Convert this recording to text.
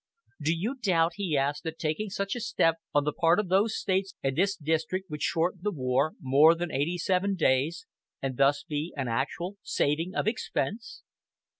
"Do you doubt," he asked, that taking such a step "on the part of those States and this District would shorten the war more than eighty seven days, and thus be an actual saving of expense?"